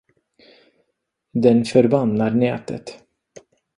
Den förbannar nätet.